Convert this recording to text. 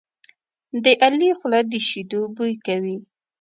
د علي خوله د شیدو بوی کوي.